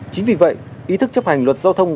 chính vì vậy ý thức chấp hành luật giao thông